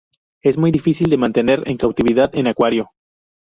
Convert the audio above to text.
Es muy difícil de mantener en cautividad en acuario.